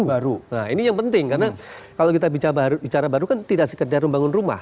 nah ini yang penting karena kalau kita bicara baru kan tidak sekedar membangun rumah